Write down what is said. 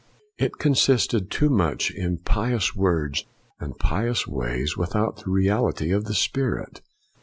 It con sisted too much in pious words and pious ways, without the reality of the spirit.